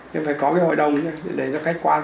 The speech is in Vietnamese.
nhưng phải có cái hội đồng nhé để nó cách quan